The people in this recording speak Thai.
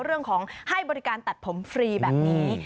เรื่องของการให้บริการตัดผมฟรีแบบนี้